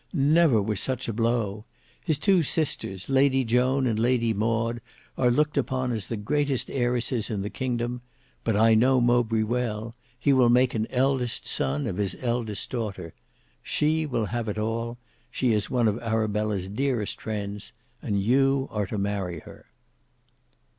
Never was such a blow! His two sisters, Lady Joan and Lady Maud, are looked upon as the greatest heiresses in the kingdom; but I know Mowbray well; he will make an eldest son of his eldest daughter. She will have it all; she is one of Arabella's dearest friends; and you are to marry her."